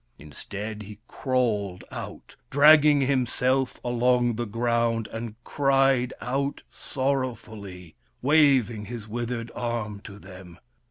Instead, he crawled out, dragging himself along the ground, and cried out, sorrowfully, waving his withered arm to them.